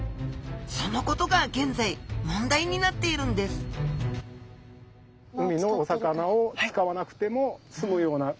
そのことが現在問題になっているんですなるほど。